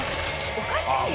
おかしいよ。